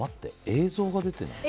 映像が出てない？